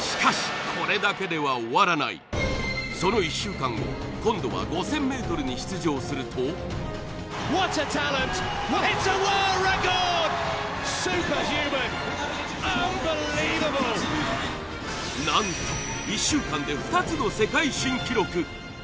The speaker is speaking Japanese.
しかしその１週間後今度は５０００ｍに出場するとなんと１週間で２つの世界新記録